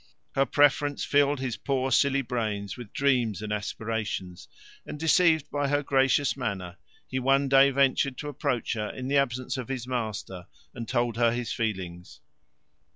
Her preference filled his poor silly brains with dreams and aspirations, and, deceived by her gracious manner, he one day ventured to approach her in the absence of his master and told her his feelings.